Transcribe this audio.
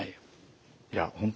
いや本当